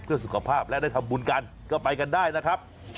เพื่อสุขภาพและได้ทำบุญกันก็ไปกันได้นะครับ